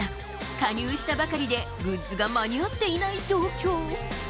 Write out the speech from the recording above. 加入したばかりで、グッズが間に合っていない状況。